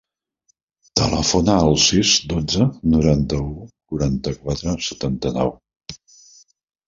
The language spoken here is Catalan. Telefona al sis, dotze, noranta-u, quaranta-quatre, setanta-nou.